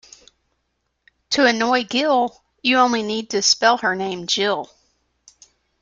To annoy Gill, you only need to spell her name Jill.